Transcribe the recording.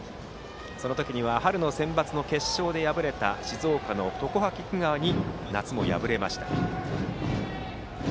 その時には春のセンバツの決勝で敗れた静岡の常葉菊川に夏も敗れました。